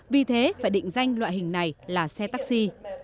vì thế phải định danh loại hình này là xe taxi